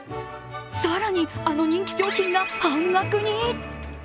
更に、あの人気商品が半額に。